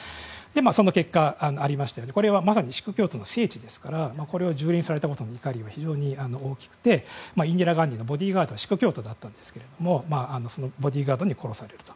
その結果、ここはまさにシーク教徒の聖地ですからこれを蹂躙されたことへの怒りが非常に大きくてインディラ・ガンディーのボディーガードはシーク教徒だったんですけどそのボディーガードに殺されると。